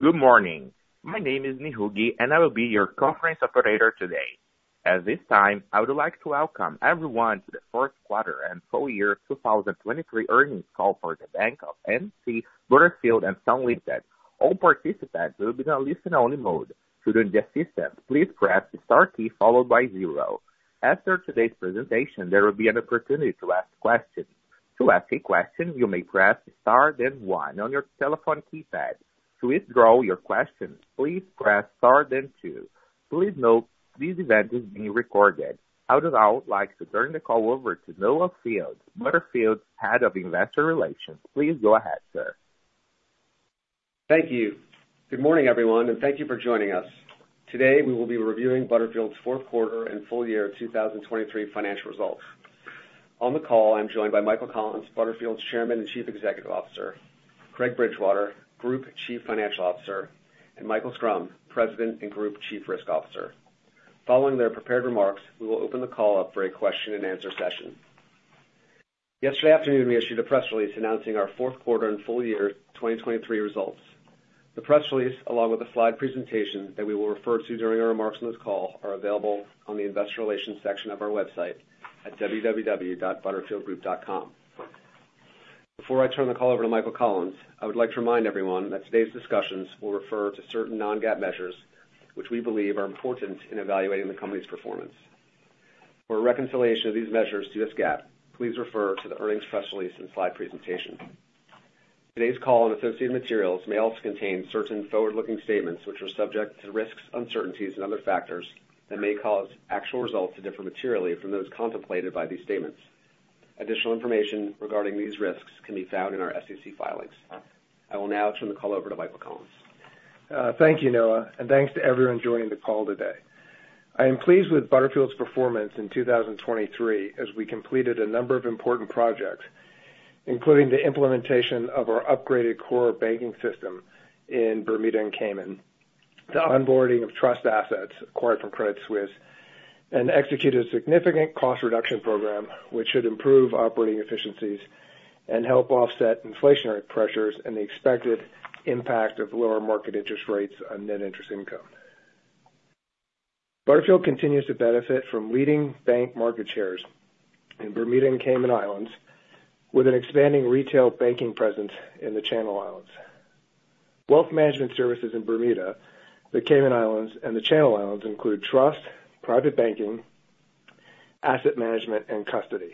Good morning. My name is Mihugi, and I will be your conference operator today. At this time, I would like to welcome everyone to the fourth quarter and full year 2023 earnings call for the Bank of N.T. Butterfield & Son Limited. All participants will be on a listen-only mode. To join the assistant, please press the star key followed by zero. After today's presentation, there will be an opportunity to ask questions. To ask a question, you may press star, then one on your telephone keypad. To withdraw your question, please press star, then two. Please note, this event is being recorded. I would now like to turn the call over to Noah Fields, Butterfield's Head of Investor Relations. Please go ahead, sir. Thank you. Good morning, everyone, and thank you for joining us. Today, we will be reviewing Butterfield's fourth quarter and full year 2023 financial results. On the call, I'm joined by Michael Collins, Butterfield's Chairman and Chief Executive Officer, Craig Bridgewater, Group Chief Financial Officer, and Michael Schrum, President and Group Chief Risk Officer. Following their prepared remarks, we will open the call up for a question-and-answer session. Yesterday afternoon, we issued a press release announcing our fourth quarter and full year 2023 results. The press release, along with the slide presentation that we will refer to during our remarks on this call, are available on the investor relations section of our website at www.butterfieldgroup.com. Before I turn the call over to Michael Collins, I would like to remind everyone that today's discussions will refer to certain non-GAAP measures, which we believe are important in evaluating the company's performance. For a reconciliation of these measures to U.S. GAAP, please refer to the earnings press release and slide presentation. Today's call and associated materials may also contain certain forward-looking statements, which are subject to risks, uncertainties, and other factors that may cause actual results to differ materially from those contemplated by these statements. Additional information regarding these risks can be found in our SEC filings. I will now turn the call over to Michael Collins. Thank you, Noah, and thanks to everyone joining the call today. I am pleased with Butterfield's performance in 2023 as we completed a number of important projects, including the implementation of our upgraded Core Banking System in Bermuda and Cayman, the onboarding of trust assets acquired from Credit Suisse, and executed a significant cost reduction program, which should improve operating efficiencies and help offset inflationary pressures and the expected impact of lower market interest rates on net interest income. Butterfield continues to benefit from leading bank market shares in Bermuda and Cayman Islands, with an expanding retail banking presence in the Channel Islands. Wealth management services in Bermuda, the Cayman Islands, and the Channel Islands include trust, private banking, asset management, and custody.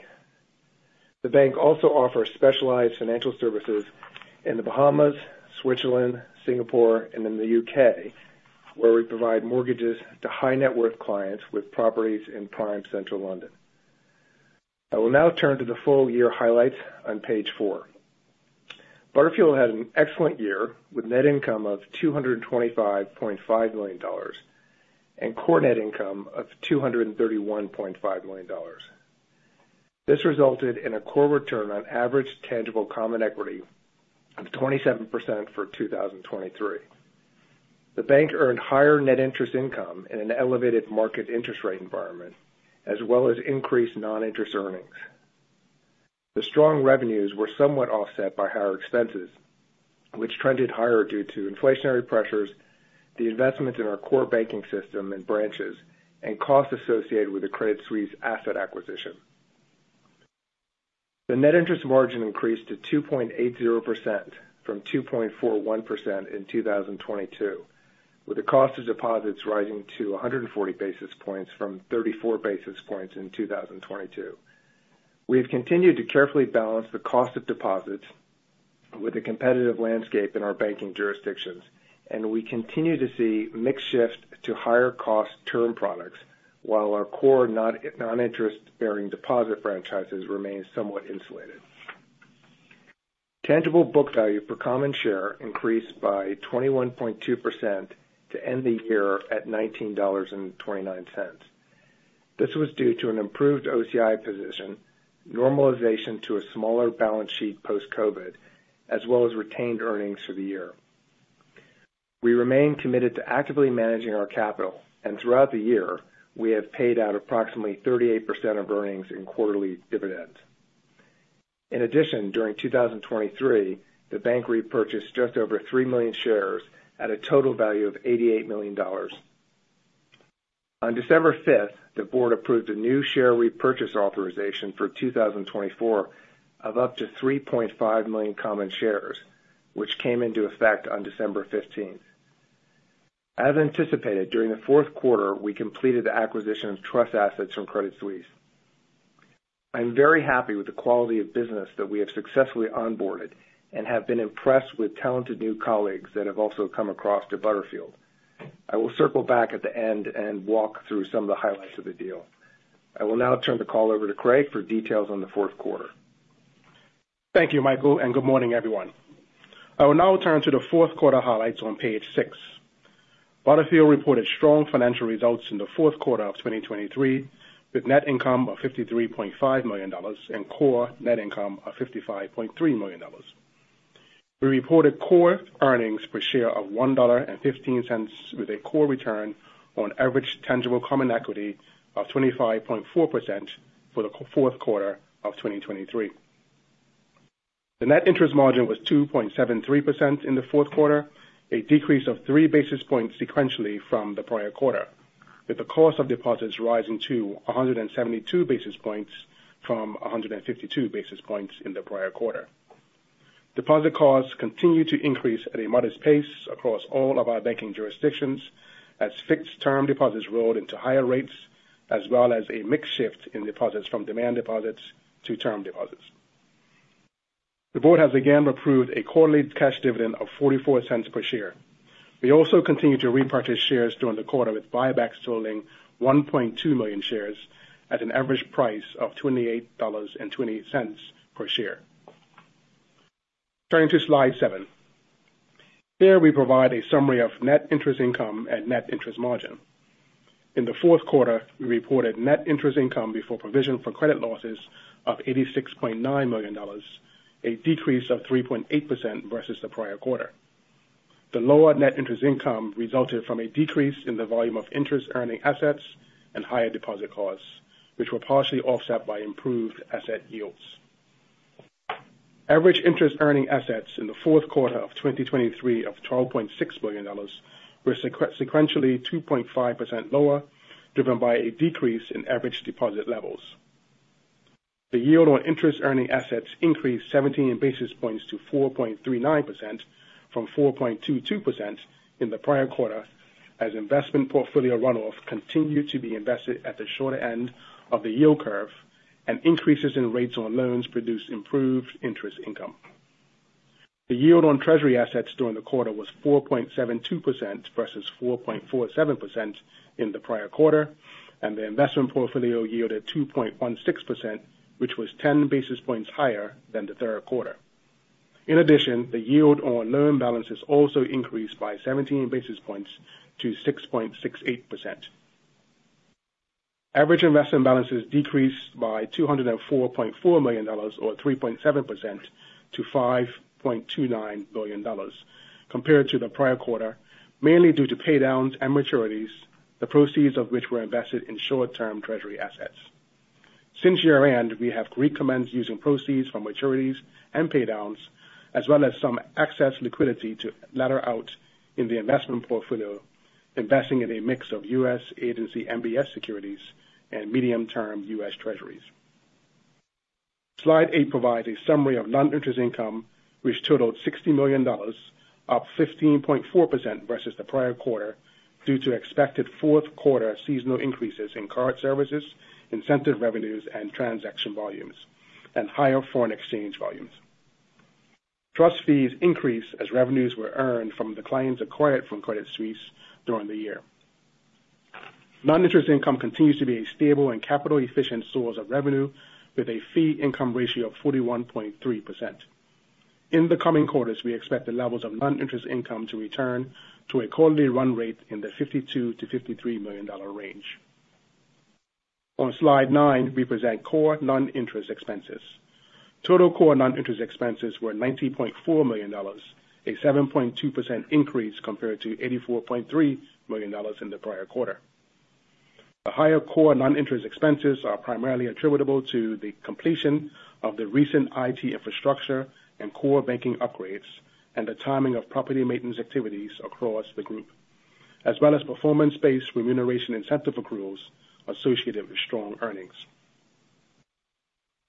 The bank also offers specialized financial services in the Bahamas, Switzerland, Singapore, and in the U.K., where we provide mortgages to high-net-worth clients with properties in prime central London. I will now turn to the full-year highlights on page four. Butterfield had an excellent year, with net income of $225.5 million and core net income of $231.5 million. This resulted in a core return on average tangible common equity of 27% for 2023. The bank earned higher net interest income in an elevated market interest rate environment, as well as increased non-interest earnings. The strong revenues were somewhat offset by higher expenses, which trended higher due to inflationary pressures, the investment in our core banking system and branches, and costs associated with the Credit Suisse asset acquisition. The net interest margin increased to 2.80% from 2.41% in 2022, with the cost of deposits rising to 140 basis points from 34 basis points in 2022. We have continued to carefully balance the cost of deposits with the competitive landscape in our banking jurisdictions, and we continue to see mix shift to higher cost term products, while our core non-interest-bearing deposit franchises remain somewhat insulated. Tangible book value per common share increased by 21.2% to end the year at $19.29. This was due to an improved OCI position, normalization to a smaller balance sheet post-COVID, as well as retained earnings for the year. We remain committed to actively managing our capital, and throughout the year, we have paid out approximately 38% of earnings in quarterly dividends. In addition, during 2023, the bank repurchased just over 3 million shares at a total value of $88 million. On December fifth, the board approved a new share repurchase authorization for 2024 of up to 3.5 million common shares, which came into effect on December fifteenth. As anticipated, during the fourth quarter, we completed the acquisition of trust assets from Credit Suisse. I'm very happy with the quality of business that we have successfully onboarded and have been impressed with talented new colleagues that have also come across to Butterfield. I will circle back at the end and walk through some of the highlights of the deal. I will now turn the call over to Craig for details on the fourth quarter. Thank you, Michael, and good morning, everyone. I will now turn to the fourth quarter highlights on page six. Butterfield reported strong financial results in the fourth quarter of 2023, with net income of $53.5 million and core net income of $55.3 million. We reported core earnings per share of $1.15, with a core return on average tangible common equity of 25.4% for the fourth quarter of 2023. The net interest margin was 2.73% in the fourth quarter, a decrease of three basis points sequentially from the prior quarter, with the cost of deposits rising to 172 basis points from 152 basis points in the prior quarter. Deposit costs continued to increase at a modest pace across all of our banking jurisdictions, as fixed term deposits rolled into higher rates, as well as a mix shift in deposits from demand deposits to term deposits. The board has again approved a quarterly cash dividend of $0.44 per share. We also continued to repurchase shares during the quarter, with buybacks totaling 1.2 million shares at an average price of $28.20 per share. Turning to slide seven. Here we provide a summary of net interest income and net interest margin. In the fourth quarter, we reported net interest income before provision for credit losses of $86.9 million, a decrease of 3.8% versus the prior quarter. The lower net interest income resulted from a decrease in the volume of interest earning assets and higher deposit costs, which were partially offset by improved asset yields. Average interest earning assets in the fourth quarter of 2023 of $12.6 billion were sequentially 2.5% lower, driven by a decrease in average deposit levels. The yield on interest earning assets increased 17 basis points to 4.39% from 4.22% in the prior quarter, as investment portfolio run-off continued to be invested at the shorter end of the yield curve, and increases in rates on loans produced improved interest income. The yield on treasury assets during the quarter was 4.72% versus 4.47% in the prior quarter, and the investment portfolio yielded 2.16%, which was 10 basis points higher than the third quarter. In addition, the yield on loan balances also increased by 17 basis points to 6.68%. Average investment balances decreased by $204.4 million, or 3.7%, to $5.29 billion compared to the prior quarter, mainly due to pay downs and maturities, the proceeds of which were invested in short-term treasury assets. Since year-end, we have recommenced using proceeds from maturities and pay downs, as well as some excess liquidity to ladder out in the investment portfolio, investing in a mix of U.S. Agency MBS securities and medium-term U.S. treasuries. Slide eight provides a summary of non-interest income, which totaled $60 million, up 15.4% versus the prior quarter, due to expected fourth quarter seasonal increases in card services, incentive revenues, and transaction volumes, and higher foreign exchange volumes. Trust fees increased as revenues were earned from the clients acquired from Credit Suisse during the year. Non-interest income continues to be a stable and capital efficient source of revenue, with a fee income ratio of 41.3%. In the coming quarters, we expect the levels of non-interest income to return to a quarterly run rate in the $52 -$53 million range. On slide nine, we present core non-interest expenses. Total core non-interest expenses were $90.4 million, a 7.2% increase compared to $84.3 million in the prior quarter. The higher core non-interest expenses are primarily attributable to the completion of the recent IT infrastructure and core banking upgrades, and the timing of property maintenance activities across the group, as well as performance-based remuneration incentive accruals associated with strong earnings.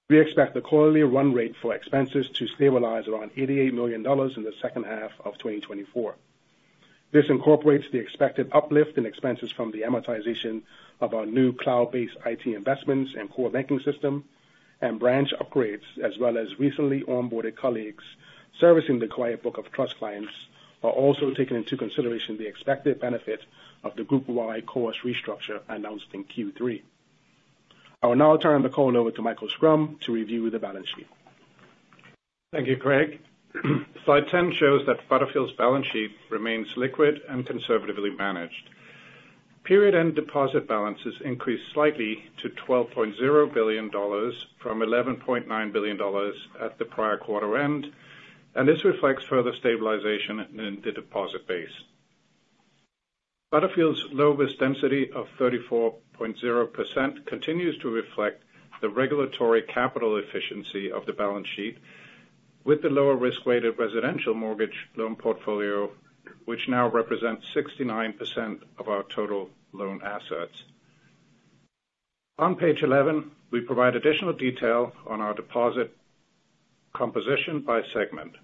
We expect the quarterly run rate for expenses to stabilize around $88 million in the second half of 2024. This incorporates the expected uplift in expenses from the amortization of our new cloud-based IT investments and core banking system, and branch upgrades, as well as recently onboarded colleagues servicing the client book of trust clients, while also taking into consideration the expected benefit of the group-wide cost restructure announced in Q3. I will now turn the call over to Michael Schrum to review the balance sheet. Thank you, Craig. Slide 10 shows that Butterfield's balance sheet remains liquid and conservatively managed. Period end deposit balances increased slightly to $12.0 billion from $11.9 billion at the prior quarter end, and this reflects further stabilization in the deposit base. Butterfield's low risk density of 34.0% continues to reflect the regulatory capital efficiency of the balance sheet with the lower risk-weighted residential mortgage loan portfolio, which now represents 69% of our total loan assets. On page 11, we provide additional detail on our deposit composition by segment.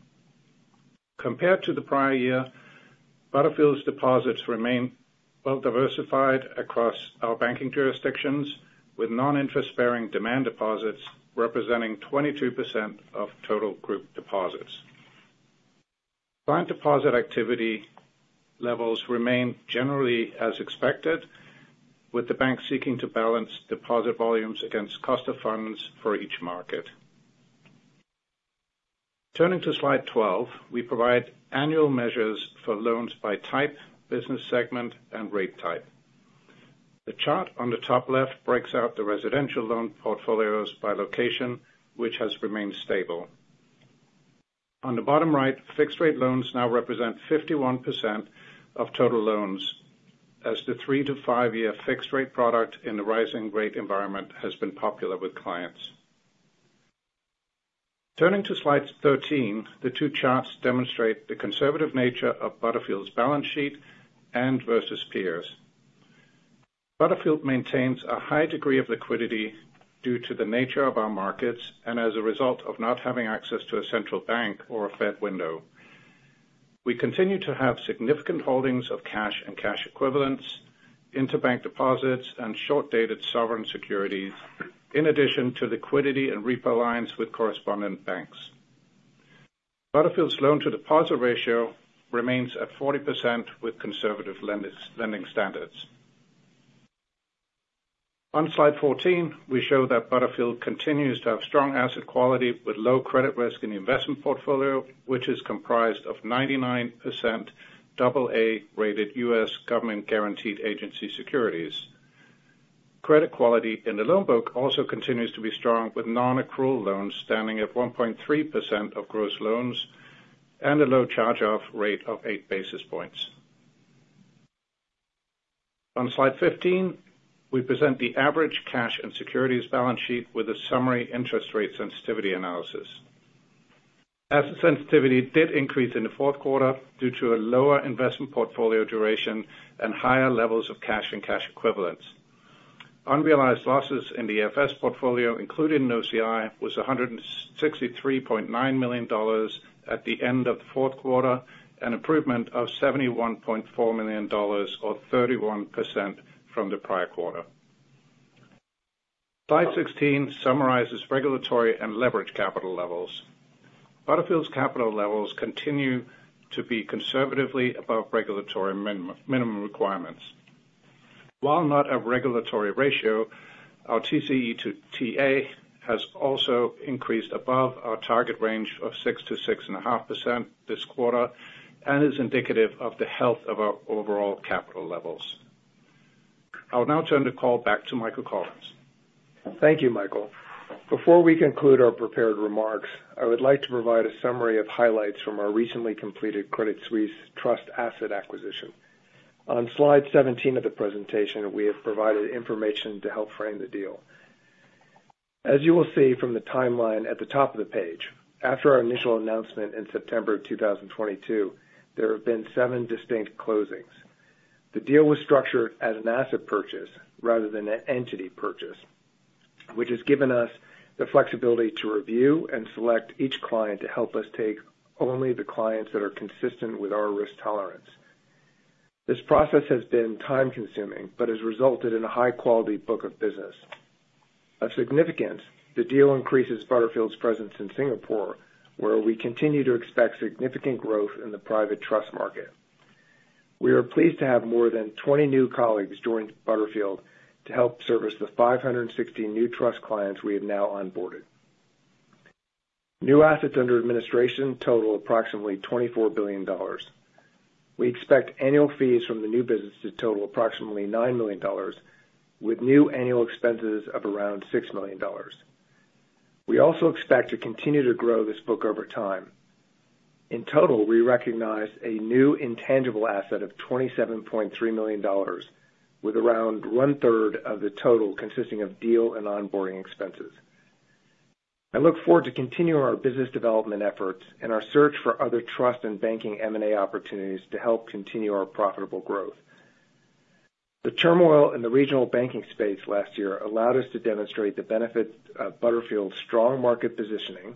Compared to the prior year, Butterfield's deposits remain well diversified across our banking jurisdictions, with non-interest-bearing demand deposits representing 22% of total group deposits. Client deposit activity levels remain generally as expected, with the bank seeking to balance deposit volumes against cost of funds for each market. Turning to slide 12, we provide annual measures for loans by type, business segment, and rate type. The chart on the top left breaks out the residential loan portfolios by location, which has remained stable. On the bottom right, fixed rate loans now represent 51% of total loans, as the three- to five-year fixed rate product in the rising rate environment has been popular with clients. Turning to slide 13, the two charts demonstrate the conservative nature of Butterfield's balance sheet and versus peers. Butterfield maintains a high degree of liquidity due to the nature of our markets and as a result of not having access to a central bank or a Fed window. We continue to have significant holdings of cash and cash equivalents, interbank deposits, and short-dated sovereign securities, in addition to liquidity and repo lines with correspondent banks. Butterfield's loan to deposit ratio remains at 40% with conservative lending standards. On slide 14, we show that Butterfield continues to have strong asset quality with low credit risk in the investment portfolio, which is comprised of 99% AA rated U.S. government guaranteed agency securities. Credit quality in the loan book also continues to be strong, with nonaccrual loans standing at 1.3% of gross loans and a low charge-off rate of eight basis points. On slide 15, we present the average cash and securities balance sheet with a summary interest rate sensitivity analysis. Asset sensitivity did increase in the fourth quarter due to a lower investment portfolio duration and higher levels of cash and cash equivalents. Unrealized losses in the AFS portfolio, including OCI, was $163.9 million at the end of the fourth quarter, an improvement of $71.4 million or 31% from the prior quarter. Slide 16 summarizes regulatory and leverage capital levels. Butterfield's capital levels continue to be conservatively above regulatory minimum, minimum requirements. While not a regulatory ratio, our TCE to TA has also increased above our target range of 6%-6.5% this quarter and is indicative of the health of our overall capital levels. I'll now turn the call back to Michael Collins. Thank you, Michael. Before we conclude our prepared remarks, I would like to provide a summary of highlights from our recently completed Credit Suisse trust asset acquisition. On slide 17 of the presentation, we have provided information to help frame the deal. As you will see from the timeline at the top of the page, after our initial announcement in September 2022, there have been seven distinct closings. The deal was structured as an asset purchase rather than an entity purchase, which has given us the flexibility to review and select each client to help us take only the clients that are consistent with our risk tolerance. This process has been time-consuming, but has resulted in a high-quality book of business. Of significance, the deal increases Butterfield's presence in Singapore, where we continue to expect significant growth in the private trust market. We are pleased to have more than 20 new colleagues join Butterfield to help service the 516 new trust clients we have now onboarded. New assets under administration total approximately $24 billion. We expect annual fees from the new business to total approximately $9 million, with new annual expenses of around $6 million. We also expect to continue to grow this book over time. In total, we recognized a new intangible asset of $27.3 million, with around one third of the total consisting of deal and onboarding expenses. I look forward to continuing our business development efforts and our search for other trust and banking M&A opportunities to help continue our profitable growth. The turmoil in the regional banking space last year allowed us to demonstrate the benefit of Butterfield's strong market positioning,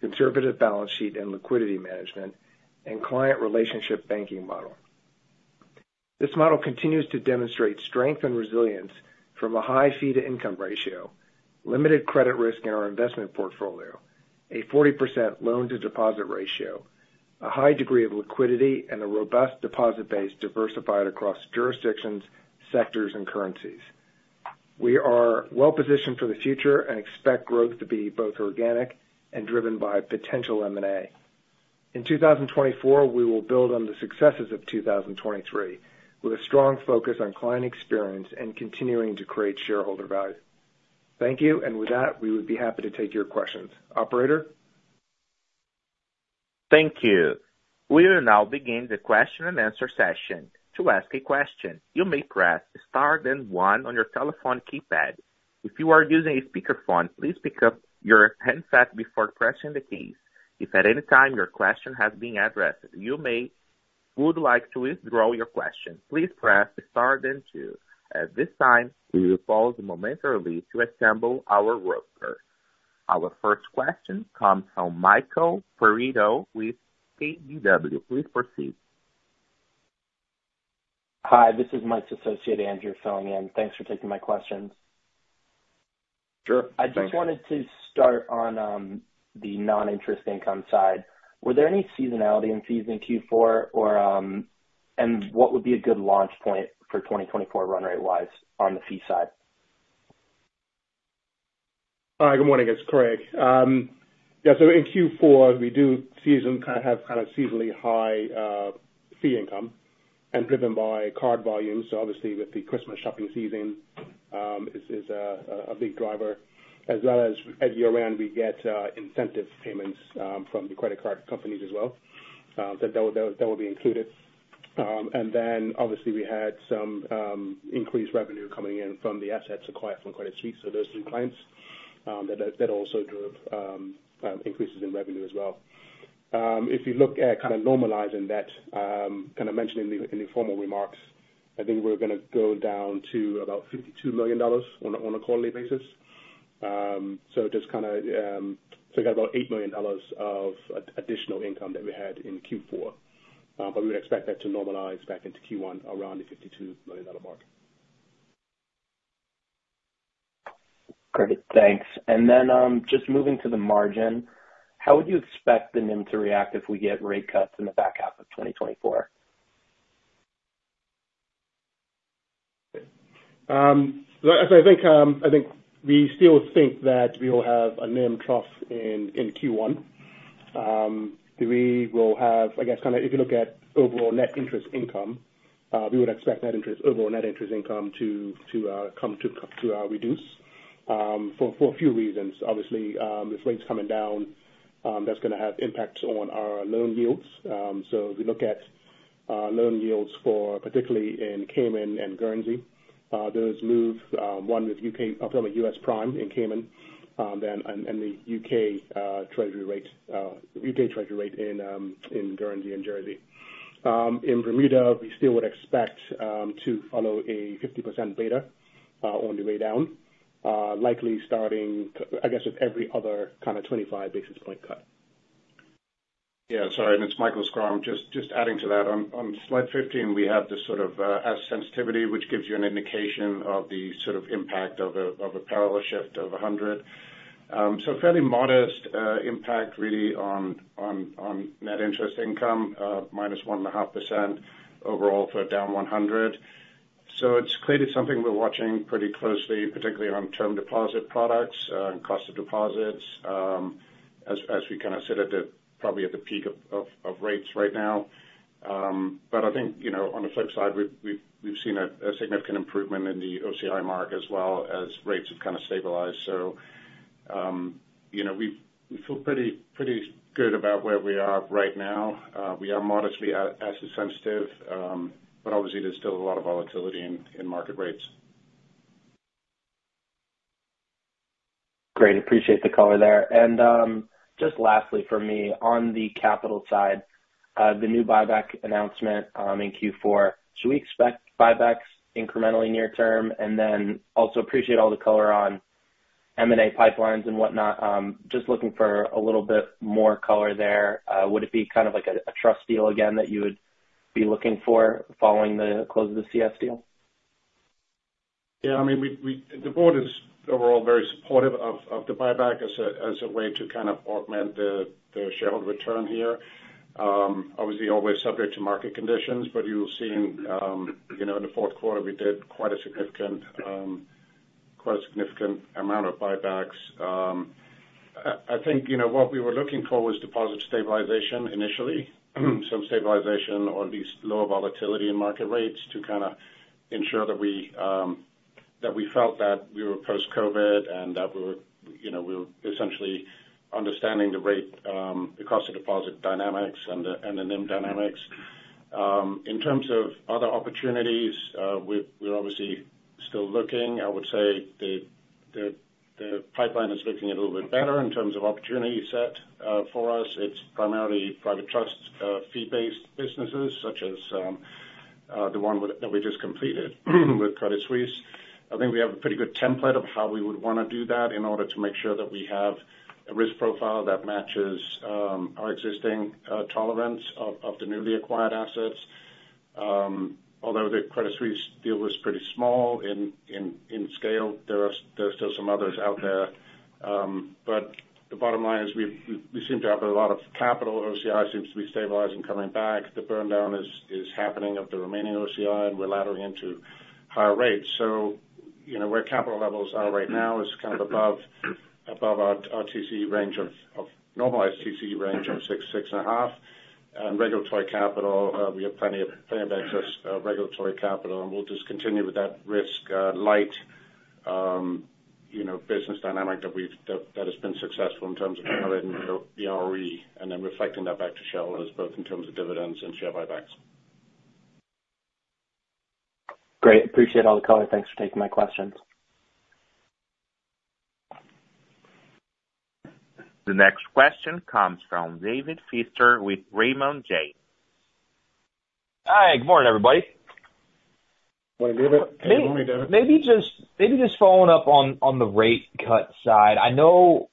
conservative balance sheet and liquidity management, and client relationship banking model. This model continues to demonstrate strength and resilience from a high fee-to-income ratio, limited credit risk in our investment portfolio, a 40% loan-to-deposit ratio, a high degree of liquidity, and a robust deposit base diversified across jurisdictions, sectors, and currencies. We are well positioned for the future and expect growth to be both organic and driven by potential M&A. In 2024, we will build on the successes of 2023, with a strong focus on client experience and continuing to create shareholder value. Thank you, and with that, we would be happy to take your questions. Operator? Thank you. We will now begin the question and answer session. To ask a question, you may press star, then one on your telephone keypad. If you are using a speakerphone, please pick up your handset before pressing the keys. If at any time your question has been addressed and you would like to withdraw your question, please press star then two. At this time, we will pause momentarily to assemble our roster. Our first question comes from Michael Perito with KBW. Please proceed. Hi, this is Mike's associate, Andrew, filling in. Thanks for taking my questions. Sure. I just wanted to start on the non-interest income side. Were there any seasonality in fees in Q4, or? And what would be a good launch point for 2024 run rate-wise on the fee side? Hi, good morning, it's Craig. Yeah, so in Q4, we do kind of have seasonally high fee income. And driven by card volumes, so obviously with the Christmas shopping season is a big driver, as well as at year-end, we get incentive payments from the credit card companies as well, that will be included. And then obviously, we had some increased revenue coming in from the asset acquired from Credit Suisse, so those new clients that also drove increases in revenue as well. If you look at kind of normalizing that, kind of mentioning in the informal remarks, I think we're gonna go down to about $52 million on a quarterly basis. So just kind of, so we got about $8 million of additional income that we had in Q4, but we would expect that to normalize back into Q1 around the $52 million mark. Great, thanks. And then, just moving to the margin, how would you expect the NIM to react if we get rate cuts in the back half of 2024? So I think we still think that we will have a NIM trough in Q1. We will have, I guess, kind of if you look at overall net interest income, we would expect overall net interest income to come to reduce for a few reasons. Obviously, with rates coming down, that's gonna have impacts on our loan yields. So if we look at loan yields particularly in Cayman and Guernsey, those move one with U.K., sorry, U.S. Prime in Cayman, then and the U.K. treasury rate in Guernsey and Jersey. In Bermuda, we still would expect to follow a 50% beta on the way down, likely starting, I guess, with every other kind of 25 basis point cut. Yeah, sorry, and it's Michael Schrum. Just adding to that, on slide 15, we have this sort of sensitivity, which gives you an indication of the sort of impact of a parallel shift of 100. So fairly modest impact really on net interest income, minus 1.5% overall for down 100. So it's clearly something we're watching pretty closely, particularly on term deposit products and cost of deposits, as we kind of sit at the probably at the peak of rates right now. But I think, you know, on the flip side, we've seen a significant improvement in the OCI mark as well as rates have kind of stabilized. So, you know, we feel pretty good about where we are right now. We are modestly asset sensitive, but obviously there's still a lot of volatility in market rates. Great. Appreciate the color there. And, just lastly for me, on the capital side, the new buyback announcement, in Q4, should we expect buybacks incrementally near term? And then also appreciate all the color on M&A pipelines and whatnot. Just looking for a little bit more color there. Would it be kind of like a trust deal again that you would be looking for following the close of the CS deal? Yeah, I mean, the board is overall very supportive of the buyback as a way to kind of augment the shareholder return here. Obviously, always subject to market conditions, but you've seen, you know, in the fourth quarter, we did quite a significant, quite a significant amount of buybacks. I think, you know, what we were looking for was deposit stabilization initially, some stabilization or at least lower volatility in market rates to kind of ensure that we felt that we were post-COVID and that we were, you know, essentially understanding the rate, the cost of deposit dynamics and the NIM dynamics. In terms of other opportunities, we're obviously still looking. I would say the pipeline is looking a little bit better in terms of opportunity set. For us, it's primarily private trust, fee-based businesses, such as the one with, that we just completed, with Credit Suisse. I think we have a pretty good template of how we would wanna do that in order to make sure that we have a risk profile that matches our existing tolerance of the newly acquired assets. Although the Credit Suisse deal was pretty small in scale, there are still some others out there. But the bottom line is we seem to have a lot of capital. OCI seems to be stabilizing, coming back. The burn down is happening of the remaining OCI, and we're laddering into higher rates. You know, where capital levels are right now is kind of above our normalized TCE range of 6-6.5. And regulatory capital, we have plenty of excess regulatory capital, and we'll just continue with that risk-light, you know, business dynamic that we've had that has been successful in terms of generating the ROE and then reflecting that back to shareholders, both in terms of dividends and share buybacks. Great. Appreciate all the color. Thanks for taking my questions. The next question comes from David Feaster with Raymond James. Hi, good morning, everybody. Good morning, David. Maybe just following up on the rate cut side. I know.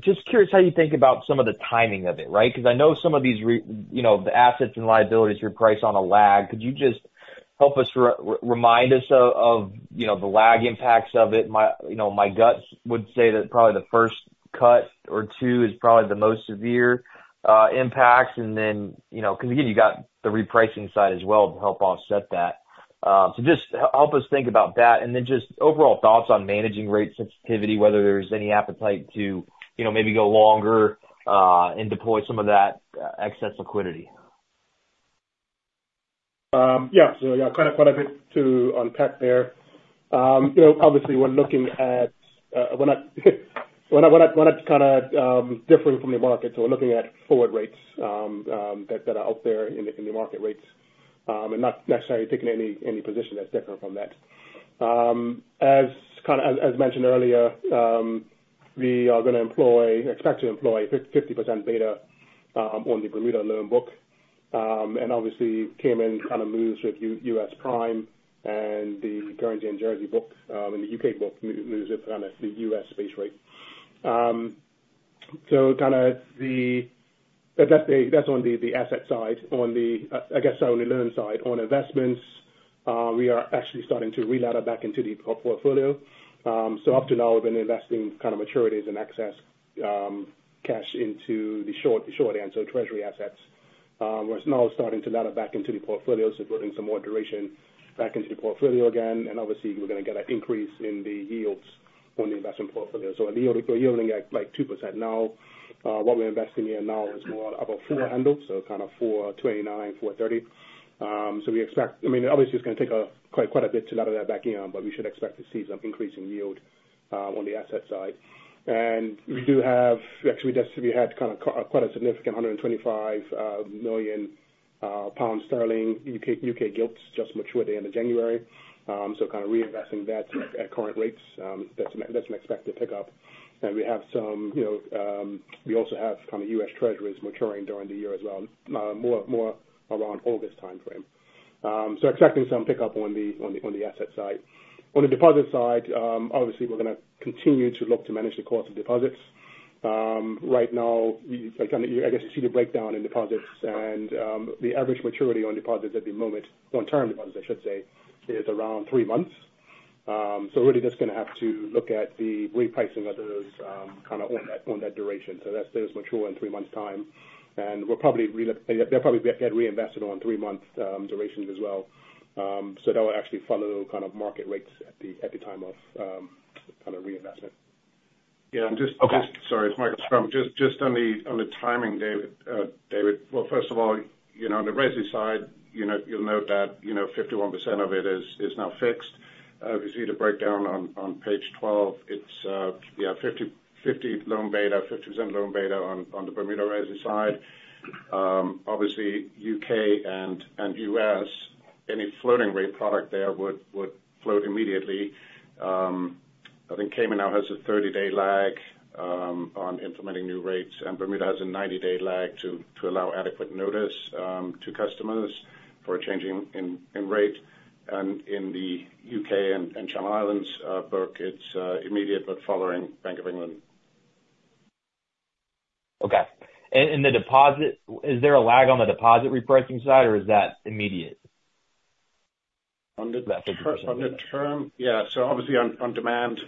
Just curious how you think about some of the timing of it, right? Because I know some of these, you know, the assets and liabilities are priced on a lag. Could you just help us remind us of, you know, the lag impacts of it? You know, my guts would say that probably the first cut or two is probably the most severe impacts. And then, you know, because again, you got the repricing side as well to help offset that. So just help us think about that, and then just overall thoughts on managing rate sensitivity, whether there's any appetite to, you know, maybe go longer and deploy some of that excess liquidity. Yeah, so yeah, quite a bit to unpack there. You know, obviously, we're not differing from the market, so we're looking at forward rates that are out there in the market rates, and not necessarily taking any position that's different from that. As mentioned earlier, we expect to employ 50% beta on the Bermuda loan book. And obviously, Cayman kind of moves with U.S. Prime, and the Guernsey and Jersey book, and the U.K. book moves with kind of the U.S. base rate. So kind of the... But that's the, that's on the asset side. On the loan side, I guess, on investments, we are actually starting to reladder back into the portfolio. So up to now, we've been investing kind of maturities and excess cash into the short-term treasury assets. We're now starting to ladder back into the portfolio, so putting some more duration back into the portfolio again, and obviously, we're gonna get an increase in the yields on the investment portfolio. So yielding, we're yielding at, like, 2% now. What we're investing in now is more of a four handle, so kind of 4.29, 4.30. So we expect... I mean, obviously, it's gonna take quite a bit to ladder that back in, but we should expect to see some increase in yield on the asset side. And we do have, actually, just we had kind of quite a significant 125 million pounds U.K. gilts just matured at the end of January. So kind of reinvesting that at current rates, that's an expected pickup. And we have some, you know, we also have kind of U.S. Treasuries maturing during the year as well, more around August timeframe. So expecting some pickup on the asset side. On the deposit side, obviously, we're gonna continue to look to manage the cost of deposits. Right now, we like kind of I guess see the breakdown in deposits and the average maturity on deposits at the moment, on term deposits, I should say, is around three months. So really just gonna have to look at the repricing of those, kind of, on that, on that duration. So that's, those mature in three months' time, and we'll probably re- They'll probably get reinvested on three months durations as well. So that will actually follow kind of market rates at the, at the time of, kind of reinvestment. Yeah, and just- Okay. Sorry, it's Michael Schrum. Just on the timing, David. Well, first of all, you know, on the rates side, you know, you'll note that, you know, 51% of it is now fixed. If you see the breakdown on page 12, it's 50-50 loan beta, 50% loan beta on the Bermuda rates side. Obviously, U.K. and U.S., any floating rate product there would float immediately. I think Cayman now has a 30-day lag on implementing new rates, and Bermuda has a 90-day lag to allow adequate notice to customers for a changing in rate. And in the U.K. and Channel Islands book, it's immediate, but following Bank of England. Okay. And the deposit, is there a lag on the deposit repricing side, or is that immediate? On the- That's- On the term, yeah. So obviously, on demand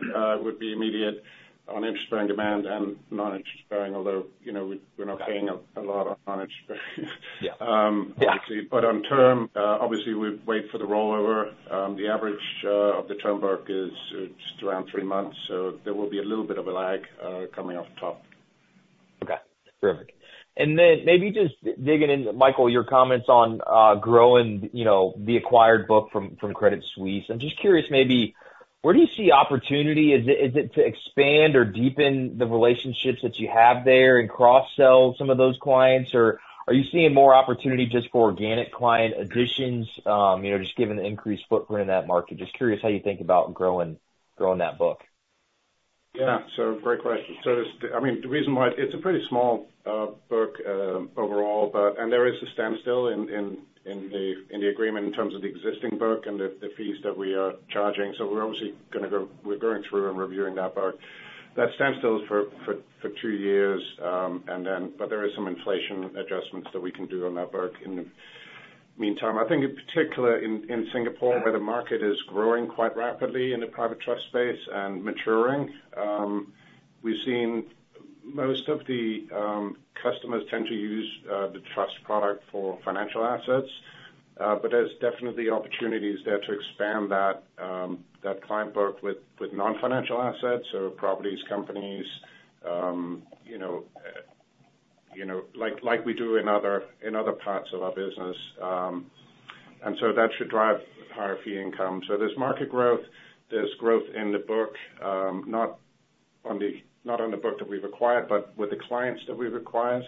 would be immediate on interest and demand and non-interest bearing, although, you know, we're not seeing a lot on interest. Yeah. Um, obviously. Yeah. But on term, obviously, we wait for the rollover. The average of the term work is around three months, so there will be a little bit of a lag coming off the top. Okay. Terrific. And then maybe just digging into Michael, your comments on growing, you know, the acquired book from Credit Suisse. I'm just curious, maybe where do you see opportunity? Is it to expand or deepen the relationships that you have there and cross-sell some of those clients, or are you seeing more opportunity just for organic client additions, you know, just given the increased footprint in that market? Just curious how you think about growing that book. Yeah. So great question. So just, I mean, the reason why... It's a pretty small book overall, but and there is a standstill in the agreement in terms of the existing book and the fees that we are charging. So we're obviously gonna go, we're going through and reviewing that book. That standstill is for two years, and then, but there is some inflation adjustments that we can do on that book in the meantime. I think in particular, in Singapore, where the market is growing quite rapidly in the private trust space and maturing, we've seen most of the customers tend to use the trust product for financial assets. But there's definitely opportunities there to expand that client book with non-financial assets, so properties, companies, you know, you know, like, like we do in other, in other parts of our business. And so that should drive higher fee income. So there's market growth, there's growth in the book, not on the book that we've acquired, but with the clients that we've acquired.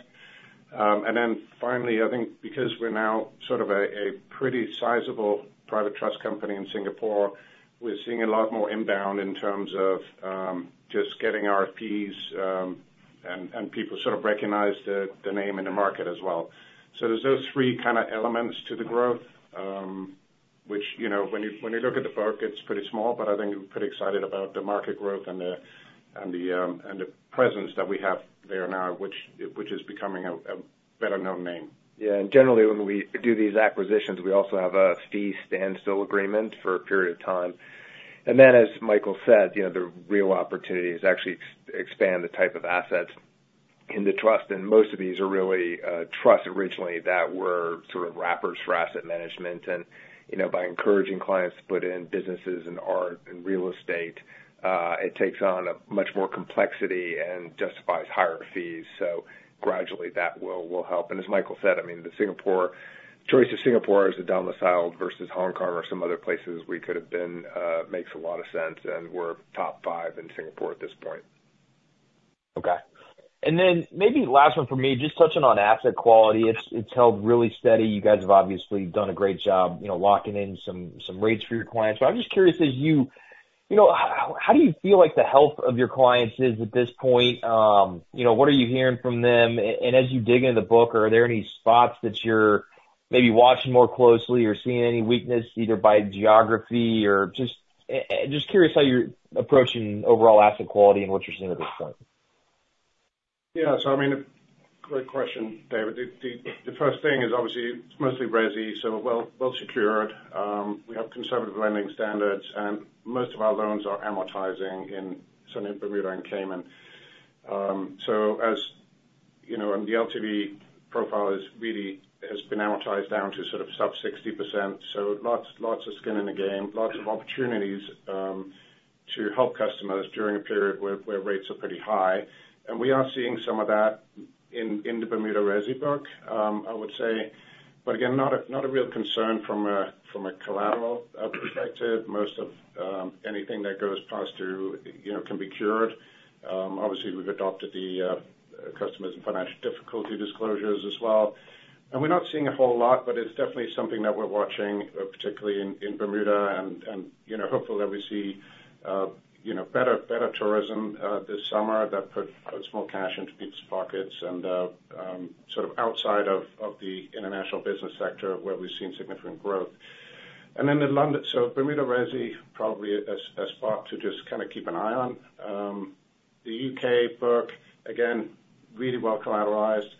And then finally, I think because we're now sort of a pretty sizable private trust company in Singapore, we're seeing a lot more inbound in terms of just getting RFPs, and people sort of recognize the name in the market as well. So there's those three kind of elements to the growth, which, you know, when you look at the book, it's pretty small, but I think we're pretty excited about the market growth and the presence that we have there now, which is becoming a better-known name. Yeah, and generally, when we do these acquisitions, we also have a fee standstill agreement for a period of time. And then, as Michael said, you know, the real opportunity is actually expand the type of assets- In the trust, and most of these are really, trusts originally that were sort of wrappers for asset management. And, you know, by encouraging clients to put in businesses and art and real estate, it takes on a much more complexity and justifies higher fees. So gradually, that will help. And as Michael said, I mean, the choice of Singapore as a domicile versus Hong Kong or some other places we could have been, makes a lot of sense, and we're top five in Singapore at this point. Okay. And then maybe last one for me, just touching on asset quality. It's held really steady. You guys have obviously done a great job, you know, locking in some rates for your clients. So I'm just curious, as you know, how do you feel like the health of your clients is at this point? You know, what are you hearing from them? And as you dig into the book, are there any spots that you're maybe watching more closely or seeing any weakness, either by geography or just curious how you're approaching overall asset quality and what you're seeing at this point? Yeah, so I mean, great question, David. The first thing is obviously it's mostly resi, so well secured. We have conservative lending standards, and most of our loans are amortizing in certainly Bermuda and Cayman. So as you know, and the LTV profile is really, has been amortized down to sort of sub-60%, so lots of skin in the game, lots of opportunities to help customers during a period where rates are pretty high. And we are seeing some of that in the Bermuda resi book, I would say. But again, not a real concern from a collateral perspective. Most of anything that goes past due, you know, can be cured. Obviously, we've adopted the customers in financial difficulty disclosures as well. We're not seeing a whole lot, but it's definitely something that we're watching, particularly in Bermuda and, you know, hopefully that we see better tourism this summer that puts more cash into people's pockets and sort of outside of the international business sector, where we've seen significant growth. And then in London, so Bermuda resi, probably a spot to just kind of keep an eye on. The U.K.. book, again, really well collateralized.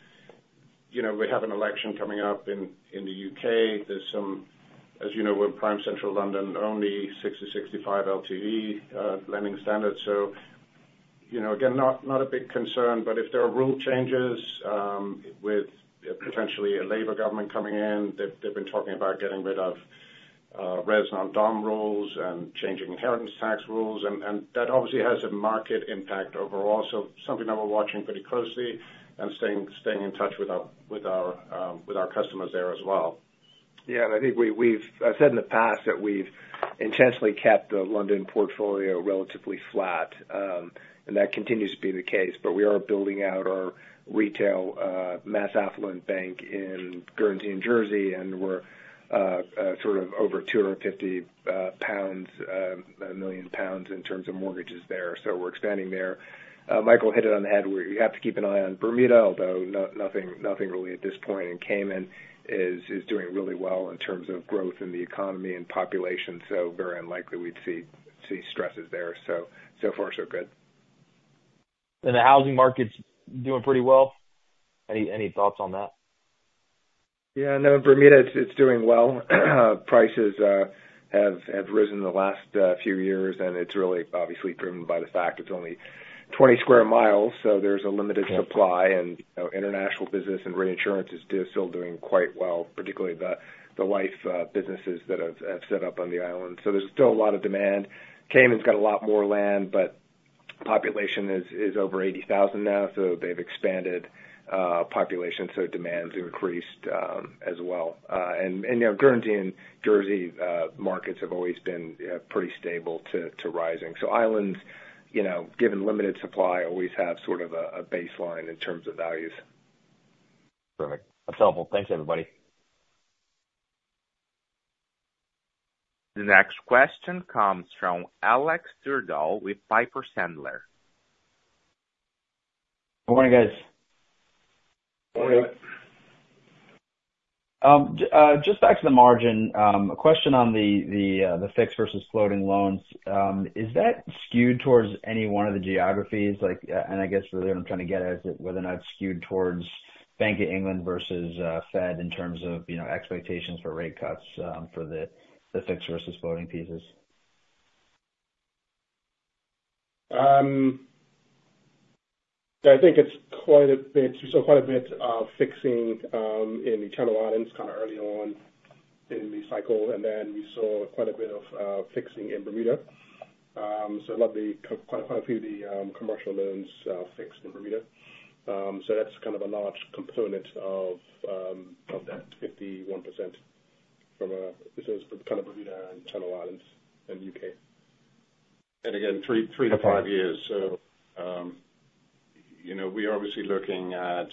You know, we have an election coming up in the UK. There's some... As you know, we're prime central London, only 65 LTV lending standards. So, you know, again, not a big concern, but if there are rule changes, with potentially a Labour government coming in, they've been talking about getting rid of res non-dom rules and changing inheritance tax rules, and that obviously has a market impact overall. So something that we're watching pretty closely and staying in touch with our customers there as well. Yeah, and I think I've said in the past that we've intentionally kept the London portfolio relatively flat, and that continues to be the case. But we are building out our retail mass affluent bank in Guernsey and Jersey, and we're sort of over 250 million pounds in terms of mortgages there, so we're expanding there. Michael hit it on the head, where you have to keep an eye on Bermuda, although nothing really at this point, and Cayman is doing really well in terms of growth in the economy and population, so very unlikely we'd see stresses there. So far, so good. The housing market's doing pretty well? Any thoughts on that? Yeah, no, in Bermuda, it's doing well. Prices have risen in the last few years, and it's really obviously driven by the fact it's only 20 sq mi, so there's a limited supply. And, you know, international business and reinsurance is still doing quite well, particularly the life businesses that have set up on the island. So there's still a lot of demand. Cayman's got a lot more land, but population is over 80,000 now, so they've expanded population, so demand's increased as well. And, you know, Guernsey and Jersey markets have always been pretty stable to rising. So islands, you know, given limited supply, always have sort of a baseline in terms of values. Perfect. That's helpful. Thanks, everybody. The next question comes from Alex Twerdahl with Piper Sandler. Good morning, guys. Good morning. Just back to the margin, a question on the fixed versus floating loans. Is that skewed towards any one of the geographies? Like, and I guess really what I'm trying to get at is whether or not it's skewed towards Bank of England versus Fed, in terms of, you know, expectations for rate cuts, for the fixed versus floating pieces. I think it's quite a bit, so quite a bit of fixing in the Channel Islands kind of early on in the cycle, and then we saw quite a bit of fixing in Bermuda. So a lot of the, quite a few of the commercial loans fixed in Bermuda. So that's kind of a large component of that 51% from a, this is from kind of Bermuda and Channel Islands and U.K. And again, three, three to five years. So, you know, we are obviously looking at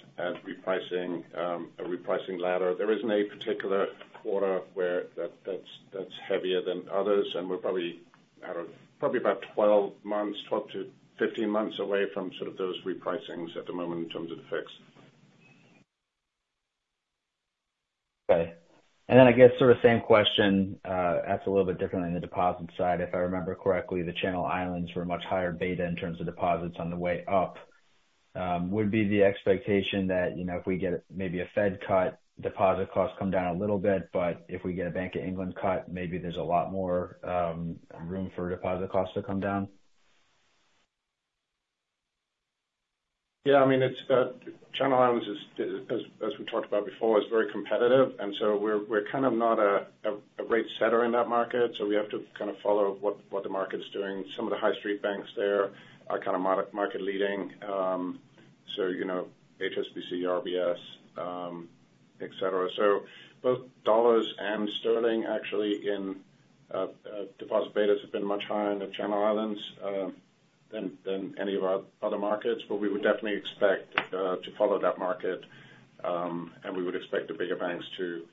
repricing, a repricing ladder. There isn't a particular quarter where that's heavier than others, and we're probably, I don't know, probably about 12 months, 12-15 months away from sort of those repricings at the moment in terms of the fixed. Okay. And then I guess sort of same question, that's a little bit different on the deposit side. If I remember correctly, the Channel Islands were much higher beta in terms of deposits on the way up. Would be the expectation that, you know, if we get maybe a Fed cut, deposit costs come down a little bit, but if we get a Bank of England cut, maybe there's a lot more room for deposit costs to come down? Yeah, I mean, it's Channel Islands is, as we talked about before, is very competitive, and so we're kind of not a rate setter in that market, so we have to kind of follow what the market is doing. Some of the high street banks there are kind of market leading, so you know, HSBC, RBS, et cetera. So both dollars and sterling actually in deposit betas have been much higher in the Channel Islands than any of our other markets. But we would definitely expect to follow that market, and we would expect the bigger banks to...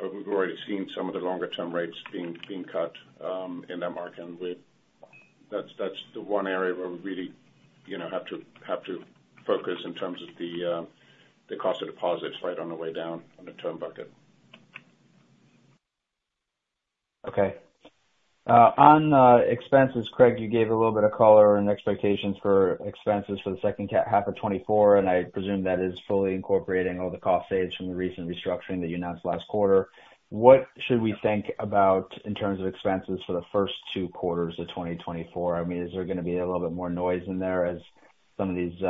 We've already seen some of the longer term rates being cut in that market, and that's the one area where we really, you know, have to focus in terms of the cost of deposits right on the way down on the term bucket. Okay. On expenses, Craig, you gave a little bit of color and expectations for expenses for the second half of 2024, and I presume that is fully incorporating all the cost saves from the recent restructuring that you announced last quarter. What should we think about in terms of expenses for the first two quarters of 2024? I mean, is there gonna be a little bit more noise in there as some of these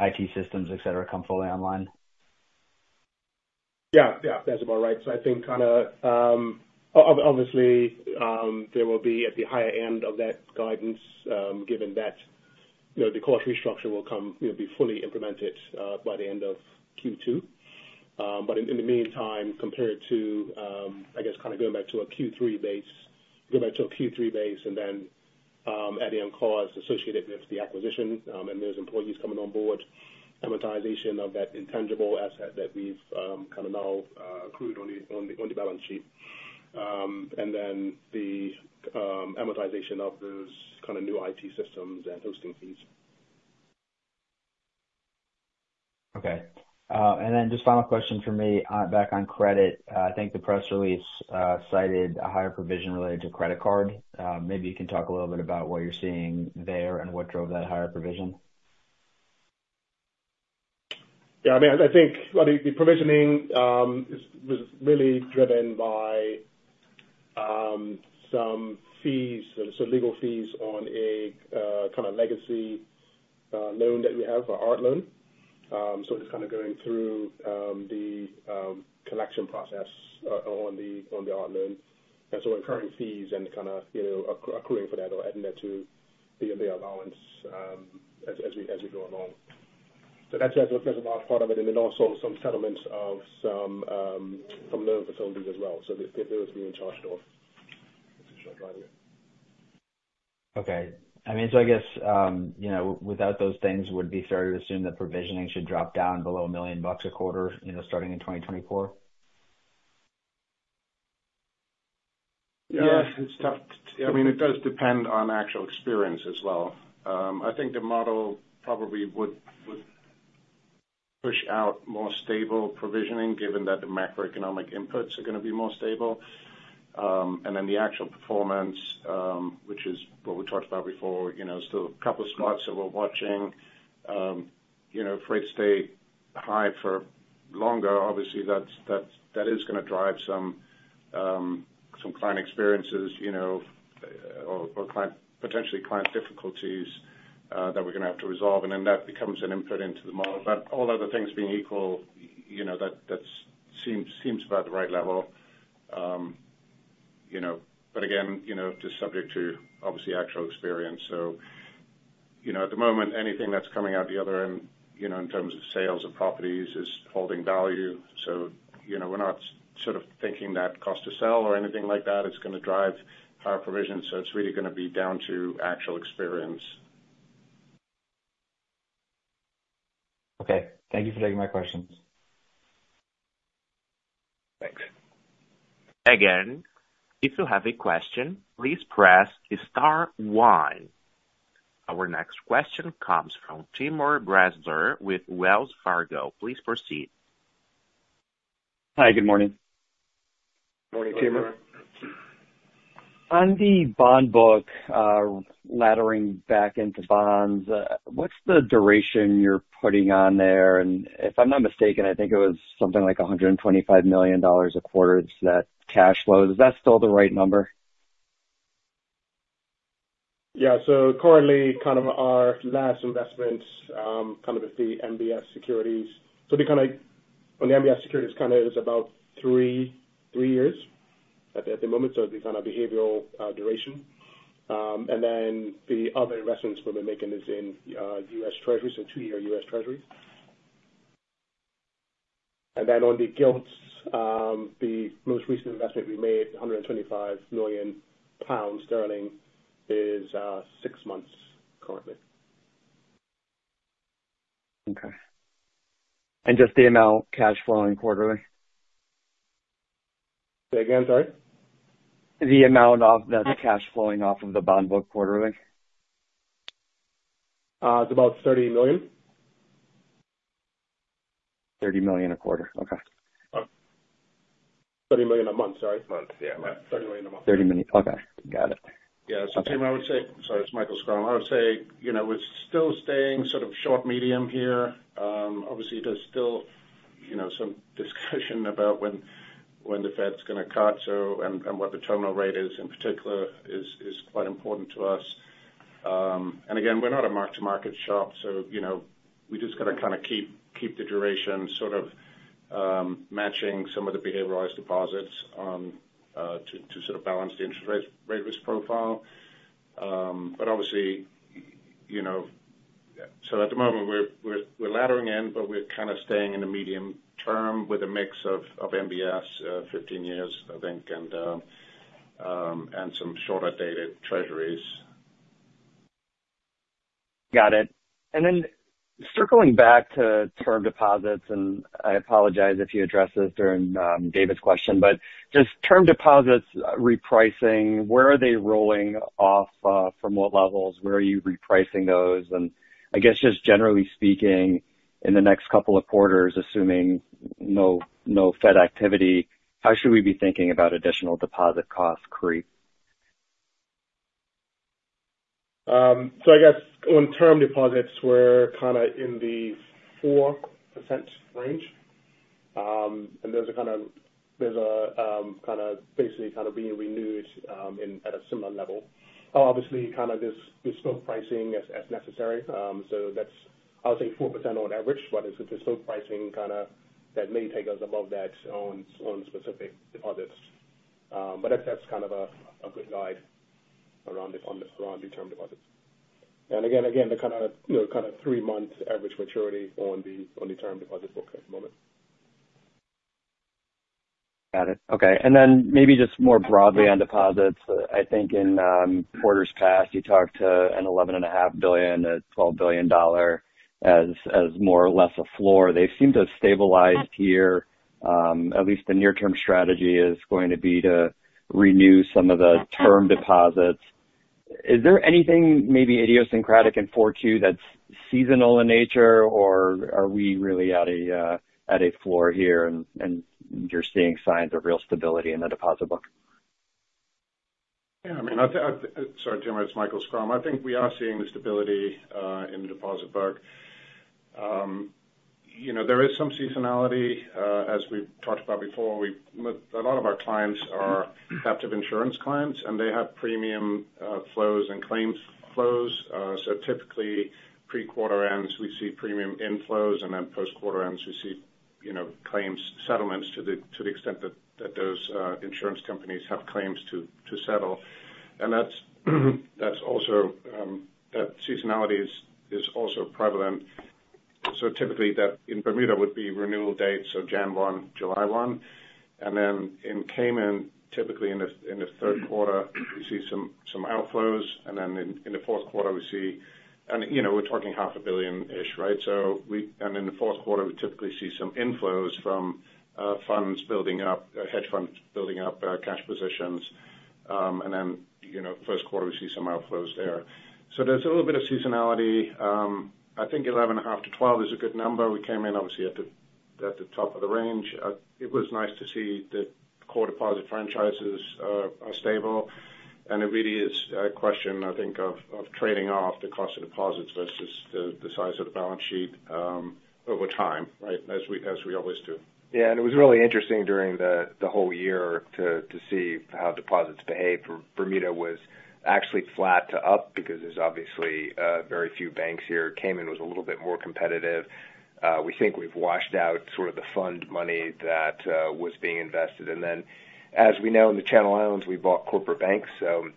IT systems, et cetera, come fully online? Yeah. Yeah, that's about right. So I think kind of, obviously, there will be at the higher end of that guidance, given that, you know, the cost restructure will come, you know, be fully implemented, by the end of Q2. But in the meantime, compared to, I guess kind of going back to a Q3 base, going back to a Q3 base and then, adding on costs associated with the acquisition, and those employees coming on board, amortization of that intangible asset that we've, kind of now, accrued on the balance sheet. And then the amortization of those kind of new IT systems and hosting fees. Okay. And then just final question for me, back on credit. I think the press release cited a higher provision related to credit card. Maybe you can talk a little bit about what you're seeing there and what drove that higher provision. Yeah, I mean, I think, well, the provisioning was really driven by some fees, some legal fees on a kind of legacy loan that we have, our art loan. So just kind of going through the collection process on the art loan. And so incurring fees and kind of, you know, accruing for that or adding that to the allowance as we go along. So that's a large part of it, and then also some settlements of some loan facilities as well. So there was being charged off, to show drive it. Okay. I mean, so I guess, you know, without those things, would it be fair to assume that provisioning should drop down below $1 million a quarter, you know, starting in 2024? Yes, it's tough. I mean, it does depend on actual experience as well. I think the model probably would push out more stable provisioning, given that the macroeconomic inputs are gonna be more stable. And then the actual performance, which is what we talked about before, you know, still a couple of spots that we're watching. You know, if rates stay high for longer, obviously, that is gonna drive some client experiences, you know, or client- potentially client difficulties, that we're gonna have to resolve, and then that becomes an input into the model. But all other things being equal, you know, that seems about the right level. You know, but again, you know, just subject to, obviously, actual experience. So, you know, at the moment, anything that's coming out the other end, you know, in terms of sales of properties, is holding value. So, you know, we're not sort of thinking that cost to sell or anything like that is gonna drive our provision. So it's really gonna be down to actual experience. Okay. Thank you for taking my questions. Thanks. Again, if you have a question, please press star one. Our next question comes from Timur Braziler with Wells Fargo. Please proceed. Hi, good morning. Morning, Timur. On the bond book, laddering back into bonds, what's the duration you're putting on there? And if I'm not mistaken, I think it was something like $125 million a quarter that cash flows. Is that still the right number? Yeah, so currently, kind of our last investment, kind of with the MBS securities. So on the MBS securities, kind of is about three years at the moment, so the kind of behavioral duration. And then the other investments we'll be making is in U.S. Treasuries, so two-year U.S. Treasuries. And then on the gilts, the most recent investment we made, 125 million pounds, is six months currently. Okay. Just the amount cash flowing quarterly? Say again, sorry. The amount of that cash flowing off of the bond book quarterly. It's about $30 million. $30 million a quarter. Okay. $30 million a month, sorry. Month, yeah. $30 million a month. $30 million. Okay, got it. Yeah. So Timur, I would say... Sorry, it's Michael Schrum. I would say, you know, we're still staying sort of short medium here. Obviously, there's still- you know, some discussion about when, when the Fed's gonna cut so, and, and what the terminal rate is, in particular, is, is quite important to us. And again, we're not a mark-to-market shop, so, you know, we just gotta kinda keep, keep the duration sort of, matching some of the behavioralized deposits, to, to sort of balance the interest rate, rate risk profile. But obviously, you know, so at the moment, we're, we're, we're laddering in, but we're kind of staying in the medium term with a mix of, of MBS, 15 years, I think, and, and some shorter-dated treasuries. Got it. And then circling back to term deposits, and I apologize if you addressed this during David's question, but just term deposits repricing, where are they rolling off from what levels? Where are you repricing those? And I guess just generally speaking, in the next couple of quarters, assuming no Fed activity, how should we be thinking about additional deposit cost creep? So I guess on term deposits, we're kind of in the 4% range. And there's a kind of, there's a kind of, basically kind of being renewed in at a similar level. Obviously, kind of this, we're still pricing as necessary. So that's I would say 4% on average, but it's still pricing kind of that may take us above that on specific deposits. But that's that's kind of a good guide around it, on the around the term deposits. And again, the kind of, you know, kind of three-month average maturity on the term deposit book at the moment. Got it. Okay. And then maybe just more broadly on deposits, I think in quarters past, you talked to a $11.5 billion-$12 billion as more or less a floor. They seem to have stabilized here, at least the near term strategy is going to be to renew some of the term deposits. Is there anything maybe idiosyncratic in 4Q that's seasonal in nature, or are we really at a floor here and you're seeing signs of real stability in the deposit book? Yeah, I mean, sorry, Timothy, it's Michael Schrum. I think we are seeing the stability in the deposit book. You know, there is some seasonality as we've talked about before. A lot of our clients are captive insurance clients, and they have premium flows and claims flows. So typically, pre-quarter ends, we see premium inflows, and then post-quarter ends, we see you know, claims settlements to the extent that those insurance companies have claims to settle. And that's also that seasonality is also prevalent. So typically, that in Bermuda would be renewal dates, so January one, July one. And then in Cayman, typically in the third quarter, we see some outflows, and then in the fourth quarter, we see. And, you know, we're talking $500 million-ish, right? So, in the fourth quarter, we typically see some inflows from funds building up, hedge funds building up, cash positions. And then, you know, first quarter, we see some outflows there. So there's a little bit of seasonality. I think 11.5-12 is a good number. We came in, obviously, at the top of the range. It was nice to see the core deposit franchises are stable, and it really is a question, I think, of trading off the cost of deposits versus the size of the balance sheet over time, right? As we always do. Yeah, and it was really interesting during the whole year to see how deposits behaved. Bermuda was actually flat to up because there's obviously very few banks here. Cayman was a little bit more competitive. We think we've washed out sort of the fund money that was being invested. And then, as we know, in the Channel Islands, we bought corporate bank, so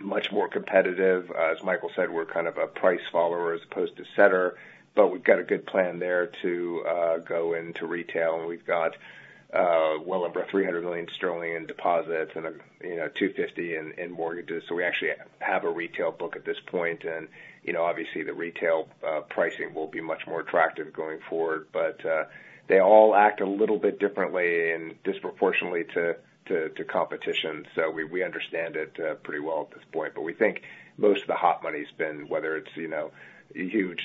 much more competitive. As Michael said, we're kind of a price follower as opposed to setter, but we've got a good plan there to go into retail, and we've got well over 300 million sterling in deposits and a, you know, 250 million in mortgages. So we actually have a retail book at this point. And, you know, obviously, the retail pricing will be much more attractive going forward. But they all act a little bit differently and disproportionately to competition. So we understand it pretty well at this point, but we think most of the hot money's been, whether it's, you know, huge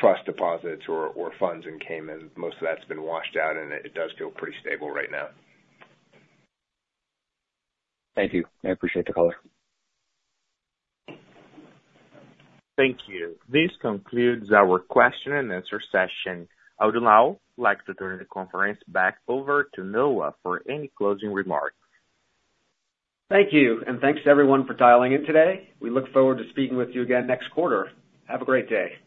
trust deposits or funds in Cayman, most of that's been washed out, and it does feel pretty stable right now. Thank you. I appreciate the call. Thank you. This concludes our question and answer session. I would now like to turn the conference back over to Noah for any closing remarks. Thank you, and thanks to everyone for dialing in today. We look forward to speaking with you again next quarter. Have a great day.